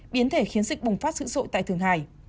biến thể khiến dịch bùng phát sữ sội tại thượng hải